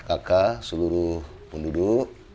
kk seluruh penduduk